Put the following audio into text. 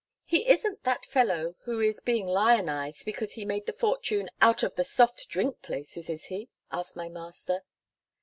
"He isn't that fellow who is being lionised because he made the fortune out of the soft drink places, is he?" asked my master.